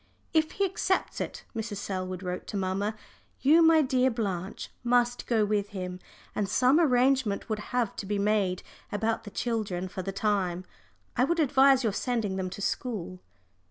"If he accepts it," Mrs. Selwood wrote to mamma, "you, my dear Blanche, must go with him, and some arrangement would have to be made about the children for the time. I would advise your sending them to school."